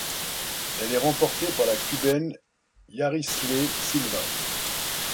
Elle est remportée par la Cubaine Yarisley Silva.